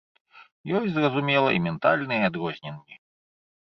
Ёсць, зразумела, і ментальныя адрозненні.